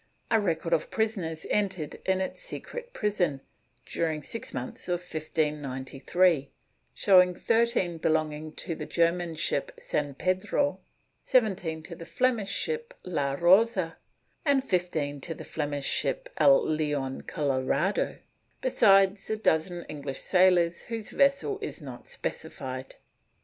A record of prisoners entered in its secret prison, during six months of 1593, shows thirteen belonging to the German ship San Pedro, seventeen to the Flemish ship La Rosa, and fifteen to the Flemish ship El Leon Colorado, besides a dozen English sailors whose vessel is not specified.